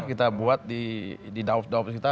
kita buat di dauf dauf kita